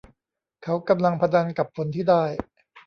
เขากำลังพนันกับผลที่ได้